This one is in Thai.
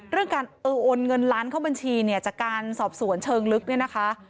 เรื่องการโอนเงินล้านเข้าบัญชีเนี่ยจากการสอบสวนเชิงลึกเนี่ยนะคะ